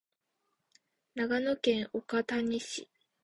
長野県岡谷市